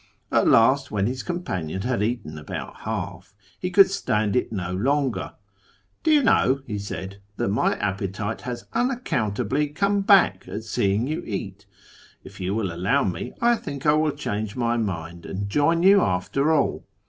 At last, when his companion had eaten about half, he could stand it no longer. ' Do you know,' he said, ' that my appetite has unaccountably come back at seeing you eat ? If you will allow me, I think I will change my mind and join you after all.'